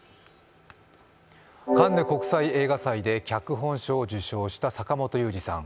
カンヌ国際映画祭で脚本賞を受賞した坂元裕二さん。